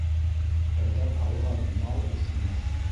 Әҙәп һалған мал үҫмәҫ